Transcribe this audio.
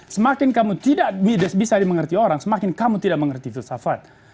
semakin kamu tidak bisa dimengerti orang semakin kamu tidak mengerti filsafat